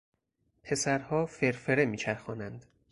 پسرها فرفره میچرخانند.